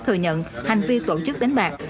thừa nhận hành vi tổ chức đánh bạc